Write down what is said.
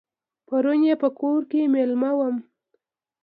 پرون یې په کور کې مېلمه وم.